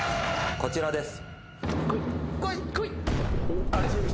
こちらです